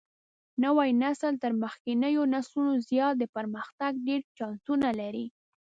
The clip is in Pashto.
نوى نسل تر مخکېنيو نسلونو زيات د پرمختګ ډېر چانسونه لري.